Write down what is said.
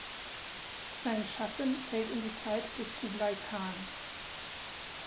Sein Schaffen fällt in die Zeit des Kublai Khan.